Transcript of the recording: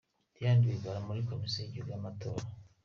Diane Rwigara muri Komisiyo y’Igihugu y’Amatora